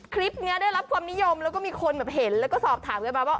คลิปนี้ได้รับความนิยมแล้วก็มีคนแบบเห็นแล้วก็สอบถามกันมาว่า